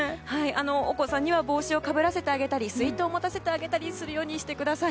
お子さんには帽子をかぶせてあげたり水筒を持たせたりするようにしてください。